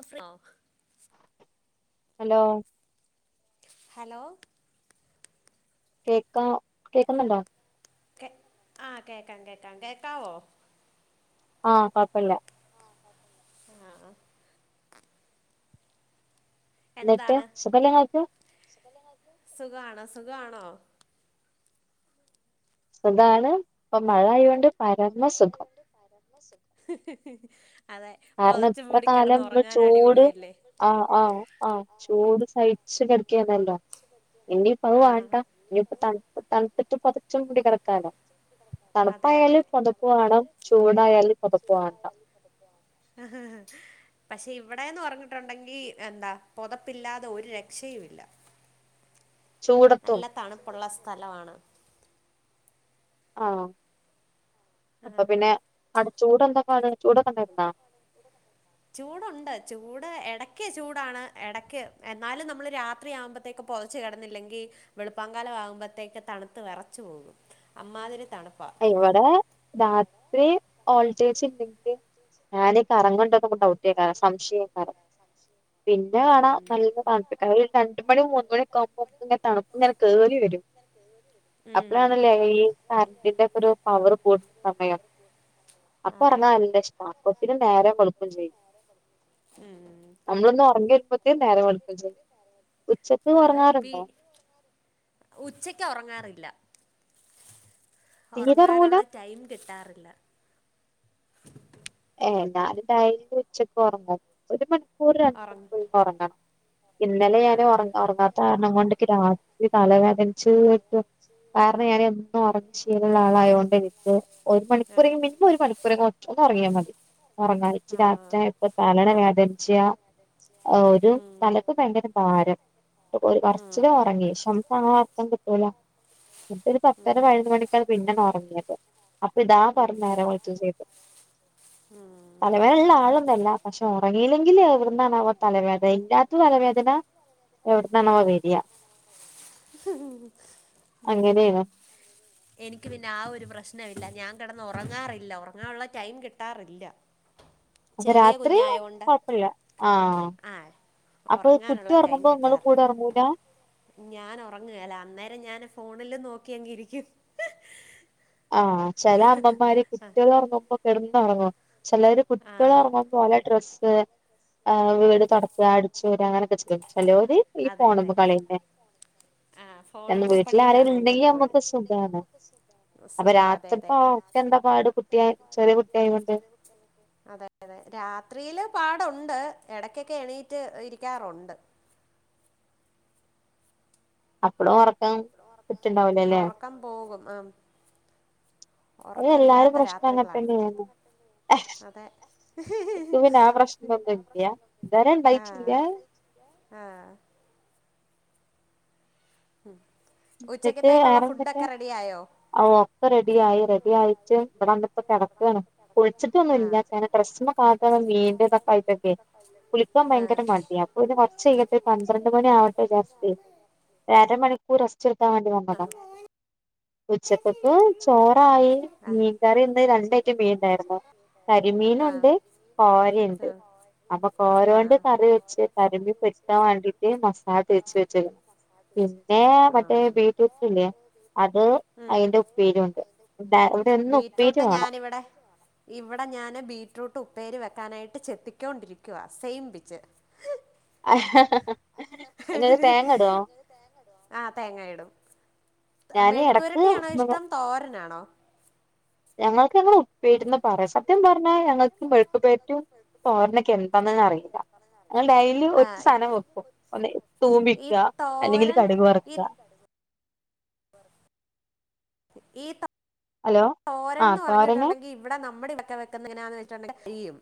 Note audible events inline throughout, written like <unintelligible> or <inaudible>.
അഫ്രാഹ hello hello കേക്ക കേക്കുന്നുണ്ടോ ആഹ കേക്കാം കേക്കാം കേൾക്കാവോ ആഹ് കുഴപ്പമില്ല ആ എന്നിട്ട് സുഖല്ലങ്ങക്ക് സുഗാ ണ് സുഖാണോ സുഗാണ് സുഗാണ് മഴായൊണ്ട് പരമ സുഖം കാരണം ഇത്ര കാലം ചൂട് ആ ആഹ് ആഹ് ചൂട് സഹച്ച് ക ല്ലോ ഇനിയിപ്പ അത് വേണ്ട ഇനിപ്പ തണ തണുട്ട പുതച്ചു മൂടി കിടക്കാലോ തണുപ്പായാലും പുതപ്പ് വേണം ചൂടായാലും പുതപ്പു വേണ്ട ആ ഹ പക്ഷെ ഇവിടെന്ന് പററഞ്ഞിട്ടുണ്ടെങ്കി എന്താ പൊതപ്പില്ലാതെ ഒരു രക്ഷയുമ ഇല്ല നല്ല തണുപ്പുള്ള സ്ഥലമാണ് ആഹ അപ്പൊ പിന്നെടു ചൂട് എന്തപാട് ചൂടൊക്കെണ്ടായിരുന്നാ ചൂടുണ്ട് ചൂട് ഇടക്ക് ചൂടാണ് ഇടക്ക് എന്നാലും നമ്മള് രാത്രിയാവുമ്പോഴത്തേക്ക പൊതച്ചു കിടന്നില്ലെങ്കിൽ വെളുപ്പാൻ കാലം ആകുമ്പോഴത്തേക്ക് തണുത്ത് വിറച്ചു പോകും അമ്മാതിരി ഇവി ടെ രാത്രി വോൾട്ടേജണ്ടെങ്കിൽ ഫാൻ കറങ്ങുന്നുണ്ടോന്ന് ഡൗട്ട് എയ്കാരം സംശയം എയ്കാരം പിന്നെ കാണാാം നല്ല തണ അ ഇെ തണുപ്പ ഇങ്ങനെ കേറി വരും അപ്പഴാണല്ലേ ഈ കറന്റ് ന്റെ ഒരു പവർ കൂടുന്ന സമയം അപ്പൊ ഉറങ്ങാ നല്ല ഇഷ്ടമാണ് പ്പൊത്തിനും നേരം വെൾക്കും ചെയ്യും ഉച്ചക്ക് ഒറങ്ങാറുണ്ടോ ഉച്ചക്ക് ഒറങ്ങാ ല്ല ഒറങ്ങാനുള്ള റ്റൈം കിട്ടാറില്ല ഏ <unintelligible> ഒരു <unintelligible> ഇന്നലെ ന ഒറ ഒറങ്ങാത്ത കാര്ണം കൊണ്ട് ക്ക്‌ രാ കി തലവേദന കാര്ണം ഞാന് എന്നും ഒറങ്ങി ശീലള്ള ആള ആയോണ്ടേ എ ഒരു മണിക്കൂറെങ്കി മിനിമം ഒരു മണിക്കൂറെ ഒ ഒന്നൊറങ്ങിയാ മത് ഒറങ്ങാഴ്ച് രാത്രി ആയ്പ്പൊ തലന വേദൻച്ച ആ ഒരു തലക്ക് ഭയങ്കര ഭാരം ഒരു കൊറച്ചേരൊ ഒറങ്ങി ശേ <unintelligible> <unintelligible> ളാ പിന്നൊരു പത്തര പയ്നൊന്ന് മണിക്കാണ് പിന്ന ഒർങ്ങ്യത് അപ്പൊ ഇതാ പറഞ്ഞെര ഓൽത് <unintelligible> അതെ വെ ള്ള ആള് നല്ല പക്ഷെ ഒറങ്ങിയില്ലെങ്കില് എവിട്ന്നാണാവൊ തലവേദന ഇല്ലാത്ത തലവേദന എവ്ട്ന്നാണാവൊ വെര ഉം എനിക്ക് പിന്നെ ആ ഒരു പ്രശ്നൊവില്ല ഞാ കെടന്ന ഒറങ്ങാറില്ല ഒറങ്ങാ ഉള്ള ടൈം കിട്ടാറില്ല അപ്പൊ രാത്രിയൊ കൊഴ്പ്പില്ല ആഹ് അപ്പൊ കുട്ടി ഒർങ്ങുമ്പോ ങ്ങളും കു ഞാന് ഒറങ്ങ്ഏല അന്നേരം ഞാന് ഫോണില് നോക്കിയങ്ങ്ഇരിക്കും ആഹ് ചെല അമ്മമാര് കുട്ട്യള് ഒർങ്ങുമ്പോ കെടന്ന് ഒറങ്ങും ചെലര് കുട്ട്യള് ഒർങ്ങുമ്പൊ ഓല ഡ്രസ്സ്‌ ആ വീട് തൊടക്കാ അടിച്ചു വാരാ അങ്ങനൊക്കെ ചെയ്യും ചെലോര് ഈ ഫോണ് മ്മ ക്കളിയെന്നെ എ വീട്ടില് ആരെൽ ണ്ടെങ്കി അമ്മക്ക് സുഖാണ് അപ്പൊ രാത്രിപ്പോ ഒക്കെ ന്താ പാട് കുട്ടിയെ ചെറിയ കുട്ട്യയ് കൊണ്ട് രാത്രിയില് പാടുണ്ട് എടക്കൊക്കെ എണീറ്റ് ഇരിക്കാറുണ്ട് അപ്പളും ഉറക്കാൻ പറ്റ്ണ്ടാവ് ല ല്ലേ അതെല്ലാര പ്രശ്ന അങ്ങൻ തെന്നേണ് അതെ ആഹ് ആഹ് ഉ ഉച്ചക്കത്തേക്കുള്ള ഫുഡ്ഡൊക്കെ റെഡി ആയോ ഓ ഒക്കെ റെഡി ആയി റെഡി ആയിട്ട് വിടെ വന്നിപ്പോ കെടക്കാണ് കുൾച്ച്ട്ടൊന്നു ഇല്ല ഞാന് ഡ്രസ്സ് <unintelligible> ള്ള മീന്റെ തൊക്കായ്റ്റൊക്കെ കുളിക്കാൻ ഭയങ്കര മടിയ അപ്പോര് കൊർച്ചയ്യട്ടെ പന്ത്രണ്ട് മണി ആവട്ടെ ചാര്ചേ ര് അരമണിക്കൂർ റസ്റ്റ് എടുക്കാൻ വേണ്ടി വന്നതാ ഉച്ചക്കക്ക് ചോറായി മീൻകറിന്ന് രണ്ട ഐറ്റം മീൻണ്ടായിരുന്നു കരിമീൻ നുണ്ട് കോരെണ്ട് അപ്പൊ കോരോണ്ട് കറി വെച്ച് കരി മീൻ പൊര്ചാ വേണ്ടിട്ട് മസാൽ തേച്ച് വെച്ച് പിന്നെ മറ്റേ ബീഫ് ർട്ടി ഇല്ലേ അത് അയിന്റെ ഉപ്പേരി ഉണ്ട് ടാ ഇവ്ടെന്നു ഉപ്പേരി വേണം ഇവിടെ ഞാന് ബീട്രൂട്ട് ഉപ്പേരി വെക്കാനായിട്ട് ചെത്തിക്കൊണ്ടിരിക്കവാ സേയിംമ്പിച്ച് ഇങ്ങക്ക് തേങ്ങ ഇടോ ആഹ് തേങ്ങയിടും ഞാന് എട ട്ടിയാണോ ഇഷ്ടം തോരനാണോ ഞങ്ങൾക്ക്‌ ഞങ്ങുളു ട്ടന്ന് പറയാ സത്യം പറഞ്ഞാ ഞങ്ങക്ക് മൈക്ക് പേറ്റും തോരനും എന്താണ് എന്ന് അറിയില്ല, ഡെയിലി ഒറ്റ സാധനം വെക്കും ഒന്ന് തൂമ്പിക്കുക അല്ലെങ്കിൽ കടുവ വറക്ക. <inaudible> ഏത തോരൻന്ന്പററഞ്ഞിട്ടുണ്ടെങ്കിൽഇവിടെ നമ്മുടെ ഇവക്കെ വെക്കുന്നങ്ങനാന്ന് <unintelligible> വെച്ചിട്ടുണ്ടെങ്കിൽ ചെയ്യും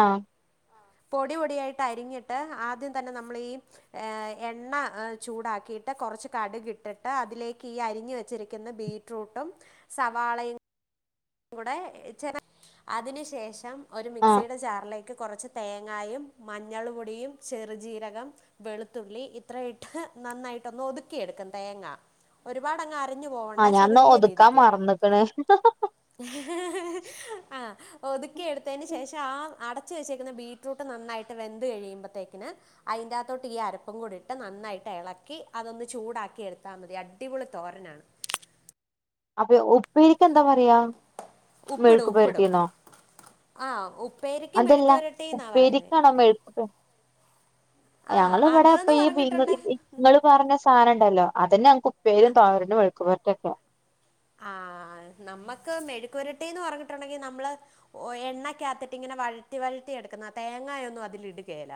ആഹ പൊടി പൊടിയായിട്ട് അരിഞ്ഞിട്ട് ആദ്യം തന്നെ നമ്മളീഈ എണ്ണ ചൂടാക്കി കുറച്ച് കട കിട്ടിട്ട് അതിലേക്ക് ഈ അരിഞ്ഞ വെച്ചിരിക്കുന്ന ബീറ്റ്റൂട്ട് സവാളയും കൂടെെ <unintelligible> അതിനന് ശേഷം ഒരു മിക്സിയുടെ ജാറിലേക്ക്. കുറച്ച് തേങ്ങായും മഞ്ഞൾ പൊടിയും ചെറുജീരകം വെളുത്തുള്ളി ഇത്ര ഇട്ട്. നന്നായിട്ട ഒതുക്കി എടുക്കും തേങ്ങ ഒരു പാട് അങ്ങ് ആഹ ഞാൻ ഒതുക്കാ മറന്നക്കണ്. ആ ഒതുക്കി എടുത്തതിനന് ശേഷം ആ അടച്ചവെച്ചേക്കുന്ന ബീറ്റ്റൂട്ട്നന്നായിട്ട് വെന്ത് കഴിയുമ്പോഴേക്കും കഴിയുമ്പോഴത്തേക്കന് അതിന്റെറകത്തോട്ട് ഈ അരപ്പും കൂടിട്ട് നന്നായിട്ട് ഇളക്കി അതൊന്ന് ചൂടാക്കി എടുത്താൽ മതി അടിപൊളി തോരനാണ്. അപ്പൊ ഉപേരിക്ക് എന്താ പറയാ മെഴുക്ക്പരട്ടിന്നോ? ആ ഓ അതല്ല ഉപ്പേരിക്കാണോ മെഴു ഞങ്ങ പ്പ ഇവിടെ ഇപ്പൊ ഈ നിങ്ങള് പറഞ്ഞ സാധനം ഇണ്ടല്ലോ. അതന്നെ ഞക്ക് ഉപ്പേയിലും തോരനും വഴുപറ്റൊക്കെ. ആഹ നമുക്ക് മെഴക്കുരുട്ടിന്ന് പറഞ്ഞിട്ടുണ്ടെങ്കിൽ നമ്മള് എണ്ണക്കട്ട് ഇങ്ങനെ വഴറ്റി വഴറ്റി എടുക്കുന്ന തേങ്ങായൊന്നും അതിൽ ഇടുകല.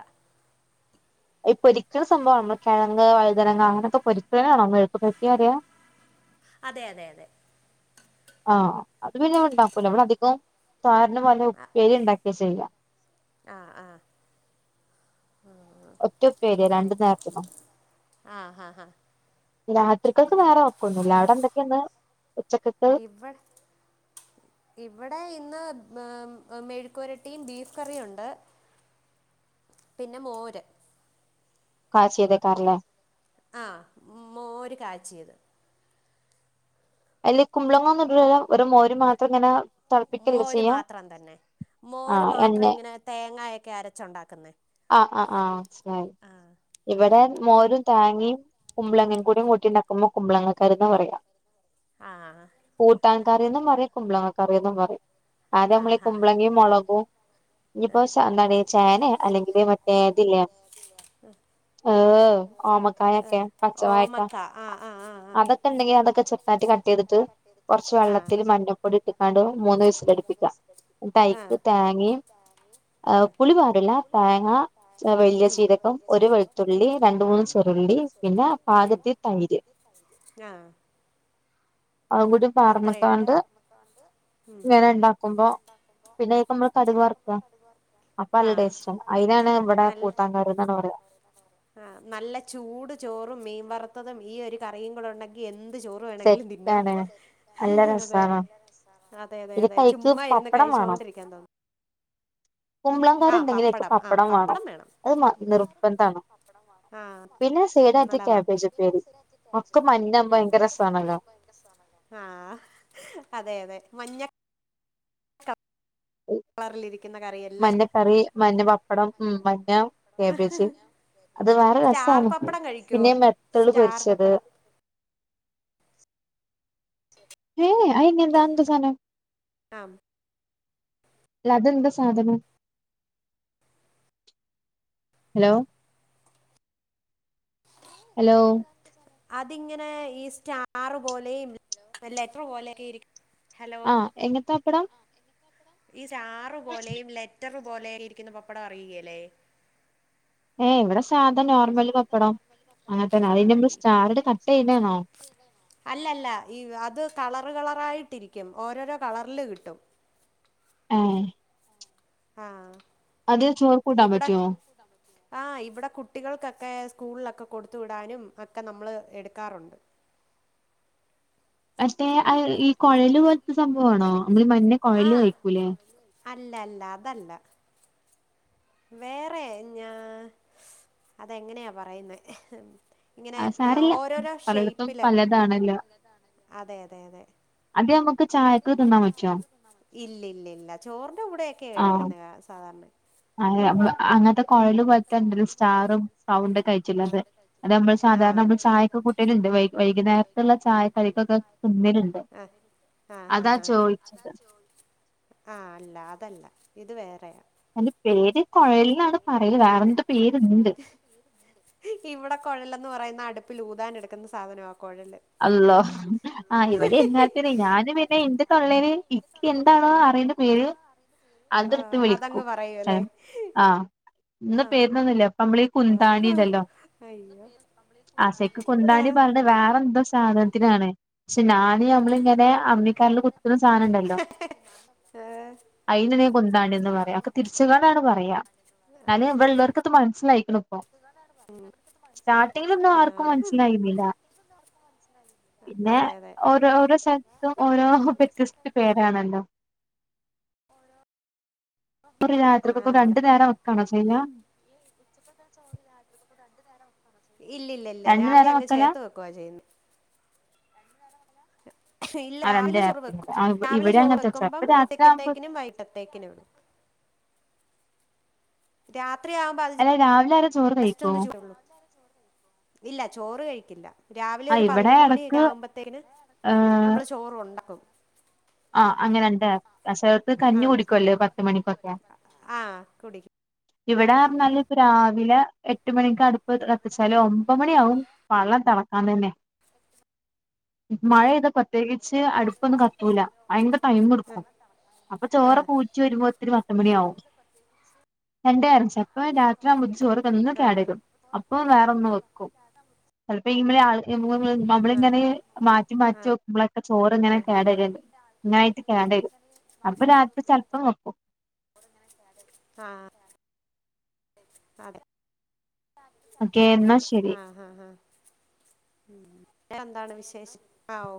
ഈ പൊരിക്കുന്നസംഭവംനമ്മള്കിഴങ് വഴുതനങ് അങ്ങനത്തെ പൊരിക്ക്ണെ നാണോ മെഴുക് പുരട്ടി പറയാ. അതെ അതെ അതെ ആഹ അത് പിന്നെ ഉണ്ടാക്കൂല അവിടെ അധികം താരന് പോലെ ഉപ്പേരി ഉണ്ടാക്കിയ ചെയ്യാം. ആഹ ആഹ ഒറ്റ പേരിരണ്ടു നേരത്തിന. രാത്രിയൊക്കെ വേറെ വക്കുന്നില്ല അവിടെ എന്തൊക്കെയന്ന്? ഇവിടെ ഇവിടെ ഇന്ന് മെഴുക്കുരട്ടിയും ബീഫ് കറിയുംഉണ്ട്. പിന്നെ മോര് കാശിയതയ്ക്കലെ? ആഹ മോര് കാച്ചിയത്. അല്ല കുമ്പ്ളങ്ങന്ന് ഇടലല്ലോ ഒരു മോര് മാത്രം ഇങ്ങനെ. മോര് മാത്രം തന്നെ മോര് മാത്രം ഇങ്ങനെ തേങ്ങൊക്കെ അരച്ചുണ്ടാക്കുന്ന. ആഹ. ആ് ആ മനസിലായി ഇവിടെ മോരും താങ്ങിം. കുമ്പളങ്ങകൂടി കൂട്ടിണ്ടാക്കുമ്പോൾ കുമ്ളങ്ങക്കറി. ന്നപറയാം. ആഹ കറിയന്നും പറയാ കുമ്പളങ്ങ കറിയൊന്നും പറയും. ആദ്യ നമ്മള കുമ്പളങ്ങയും മുളകും. ഇനിപ്പോ ശ് ചേന അല്ലെങ്കിൽ മറ്റേ ഇതിലെ ഉം ഏ ഓമക്കായൊക്കെ പച്ചവായൊക്കെ അതൊക്കെ ഉണ്ടെങ്കി അതൊക്കെെ- നാട്ടി കട്ട് ചെയ്തിട്ട് കുറച്ച് വെള്ളത്തിൽ മഞ്ഞൾപ്പൊടി ഇട്ടക്കാണ്ട് മൂന്ന് വയസ്സൽടുപ്പിക്കും. അയ്ക്ക് തേങ്ങിം പുളി പാറില്ല തേങ്ങ വലിയ ചീരകം ഒരു വെളുത്തുള്ളി രണ്ട മൂന്നും ചെറി ഉ ആഹ അഹും കൂടി പാർന്ന് കാണ്ട് ഇങ്ങനെ ണ്ടാക്കുംമ്പോ. പിന്നെഅയ്ക്ക് നമ്മള് കടുവർക്ക. അപ്പൊ അല്ലടെ ഇഷ്ടം അയിതിനാണ് ഇവിടെ കൂത്താകർ എന്നാണ് പറയാ. ആ നല്ല ചൂട് ചോറും മീൻ വറുത്തതും ഈ ഒരു കറിയും കൂടെ ഉണ്ടെങ്കി എൻ ന്ത് ചോറ് വേണെങ്കിലും തിന്നാം അതെ അതെ അതെ അതെ ചുമ്മാ ഇരുന്ന് കഴിച്ചോണ്ടിരിക്കാൻ തോന്നും കുമ്പളങ്ങകറിണ്ടെങ്കിലെ ഇക്ക് പപ്പടം വേണം അത് മ നിർബന്ധാണ് ആ ന്ന ല്ലതാ ആഹ് അതെ അതെ മഞ്ഞ ക കളറിലിരി മഞ്ഞ കറി മഞ്ഞ പപ്പടം ഉം മഞ്ഞ കേബേജ് അത് വേറെ രസമാണ് പിന്നെ മെത്തള് പൊരിച്ചത് എ് അയിന് ന്താ അന്ത്സാനം ആാം അല്ലതെന്താ സാധനം ഹലോ ഹലോ അതിങ്ങനെ ഈ സ്റ്റാറ് പോലെയും ലെറ്ററ് പോലെയൊക്കെ ഇരിക്കും ആഹ് എങ്ങത്ത അപ്പടം സ്റ്റാറ് പോലെയും ലെറ്ററ് പോലെ ഇരിക്കുന്ന പപ്പടം അറിയുകേല്ലേ സാധാ നോർമല് കപ്പടം അങ്ങനത്തെന്ന ഇയിൻ്റെ മ്മള് സ്റ്റാർട് കട്ട് ചെയുന്നേ ആണോ അല്ലല്ല ഈ അത് കളർ കളറായി ട്ടിരിക്കും ഓരോരോ കളറില് കിട്ടും ആ ഏ ആഹ് അത് ചോർ കൂട്ടാൻ പറ്റോ ആഹ് ഇവിടെ കുട്ടികൾക്കൊക്കെ സ്കൂളിലൊക്കെ കൊടുത്തു വിടാനും ഒക്കെ നമ്മള് എടുക്കാറുണ്ട് മറ്റേ അ ഈ കൊഴല് പോലത്തെ സംഭവാണോ ങ്ങള് മഞ്ഞ കൊഴല് കഴിക്കൂലേ അല്ല അല്ല അതല്ല വേറെ ഞാ സ് അതെങ്ങനെയാ പറയുന്നെ ആ സാരില്ല പലിടത്തും പലതാണല്ലോ അതെ അതെ അതെ ഇല്ലില്ലില്ലില്ല ചോറിന്റെ കൂടെയൊക്കെ കഴിക്കുന്നെ സാധാരണ അ എ് അങ്ങനത്തെ കൊഴല് പോലത്തണ്ടല്ലോ സ്റ്റാറും റൗണ്ട് ഒക്കെ വച്ചിള്ളത് അത് നമ്മള് സാധാരണ മ്മള് ചായക്ക് കൂട്ടലണ്ട് വൈ വൈകുന്നേരത്തുള്ള ചായ കടിക്കൊക്കെ ഉണ്ണില്ണ്ട് ആ ഹ ഹ ആ അല്ല അതല്ല ഇത് വേറെയാ അൻ്റെ പേര് കൊഴല്ന്നാണ് പറയ വേറെന്തോ പേര്ണ്ട് ഇവിടെ കൊഴലന്ന് പറയുന്ന അടുപ്പിൽ ഊതാൻ എടുക്കുന്ന സാധനവാ അള്ളോ ആഹ് ഇവിടീം അങ്ങാത്തിനെ ഞാനും പി ന്നെ ഇൻ്റെ തള്ളേല് ഇക്ക് എന്താണോ അറിയണ്ട പേര് ആഹ് അതങ്ങ് പറയൂല്ലേ ഇന്ന് പേരിന്നൊന്നുല്ല അപ്പൊ നമ്മളീ കുന്താണിണ്ടല്ലോ ആ സരിക്ക് കുണ്ടാണി പറഞ്ഞ വേറെ എന്തോ സാധനത്തിനാണ് പക്ഷെ ഞാൻ ന് അമ്മളിങ്ങനെ അമ്മിക്കല്ല് കുത്തണ സാനംണ്ടല്ലോ അയിന്നെ ണി കുന്താണിന്ന് പറയാ ഒക്കെ തിരിച്ചു കണ്ടാണ് പറയാ ഞാന് ഇവിടള്ളോർക്കൊക്കെ മനസ്സിലായിക്കണ് ഇപ്പൊ സ്റ്റാർട്ടിങ്ങിലൊന്നും ആർക്കും മനസ്സിലായിരുന്നില്ല പിന്നെ ഓരോ ഓരോ സ്ഥലത്തും ഓരോ വ്യത്യസ്ത പേരാണല്ലോ ഓരോ പ്പൊരു രാത്രിക്കൊക്കെ രണ്ടു നേരം വെക്കണം ച്ച് കഴിഞ്ഞ ഉച്ചക്ക് വെക്കണ ചോറ് രാത്രിക്ക് പ്പ രണ്ടു നേരാവും ഇല്ലില്ലി ഇല്ല രാവിലെ അങ്ങ് ചേർത്ത് വെക്കുവാ ചെയ്യുന്നേ ഇല്ല രാവിലെ ചോറ് വെക്കും രാവിലെ ചോറ് വെക്കുമ്പം ഉച്ചക്കത്തേക്കിനും വൈകട്ടത്തേക്കിനും ഇടും <inaudible> രാത് രാത്രിയാകുമ്പോ ജസ്റ്റ്‌ ഒന്ന് ചൂട് ഇല്ല ചോറ് കഴിക്കില്ല രാവിലെ ഒരു പതിനൊന്ന് മണി ആവുമ്പോത്തേക്കന് നമ്മള് ചോറ് ഉണ്ടാക്കും ആ അങ്ങനെ എന്താ കശേലത്ത് കഞ്ഞി കുടിക്കുവല്ലേ പത്തു മണിക്കൊക്കെ ഇവിടൊ നല്ല ഇപ്പൊ രാവി രാവിലെ എട്ട് മണിക്ക് അടുപ്പ് കത്തിച്ചാല് ഒമ്പത് മണിയ ആവും വള്ളം തിളക്കാൻ തന്നെ സ് മഴെയത്തു പ്രത്യേകിച്ച് അടുപ്പൊന്നും കത്തൂല ഭയങ്കര ടൈം എടുക്കും അപ്പൊ ചോറ് പൂച്ചി വരുമ്പോ ഒരു പത്തു മണിയ ആവും രണ്ടുനേരം ചിലപ്പോ രാത്രി ആവുമ്പോ ചോറ് ഒന്ന് കേടിക്കും അപ്പൊ വേറൊന്ന് വെക്കും ചിലപ്പോ ഇെ ആ നമ്മളിങ്ങനെ മാറ്റി മാറ്റി വെക്കുമ്പക്കളൊക്കെ ചോറ് ഇങ്ങനെ കേടരുല്ലോ ഇന്നായിട്ട് കേണണ്ടി വരും അപ്പൊ രാത്രി ചിലപ്പം വെക്കും അതെ അതെ എന്നാ ശരി ഉ എന്താണ് വിശേഷ ആ ഓ